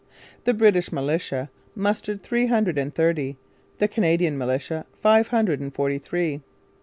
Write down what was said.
The 'British Militia' mustered three hundred and thirty, the 'Canadian Militia' five hundred and forty three.